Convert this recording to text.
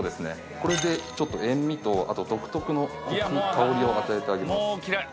塩味と独特の香りを与えてあげます。